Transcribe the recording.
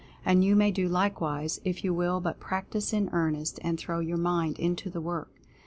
And you may do likewise, if you will but practice in earnest, and throw your mind into the work.